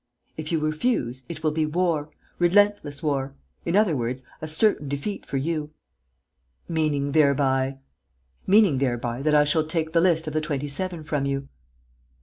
"If you refuse, it will be war, relentless war; in other words, a certain defeat for you." "Meaning thereby...." "Meaning thereby that I shall take the list of the Twenty seven from you."